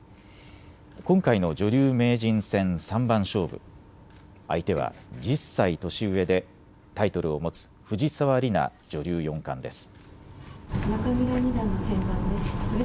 今回の女流名人戦三番勝負、相手は１０歳年上でタイトルを持つ藤沢里菜女流四冠です。